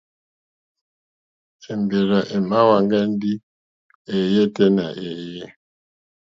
Èmbèrzà èmàáhwɛ̄ŋgɛ̄ ndí èéyɛ́ tɛ́ nà èéyé.